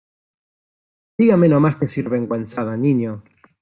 ¡ dígame no más que sinvergüenzada, niño!...